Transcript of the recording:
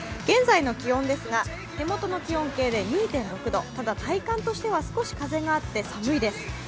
現在の気温ですが手元の気温計で２．６度ただ、体感としては少し風があって寒いです。